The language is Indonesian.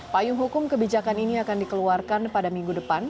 payung hukum kebijakan ini akan dikeluarkan pada minggu depan